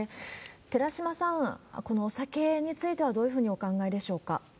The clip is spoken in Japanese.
寺嶋さん、このお酒についてはどういうふうにお考えでしょうか？